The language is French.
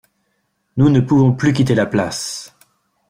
Nous ne pouvons plus quitter la place.